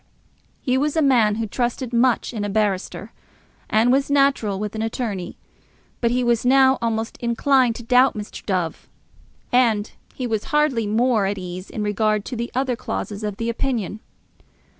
He was a man who trusted much in a barrister, as was natural with an attorney; but he was now almost inclined to doubt Mr. Dove. And he was hardly more at ease in regard to the other clauses of the opinion.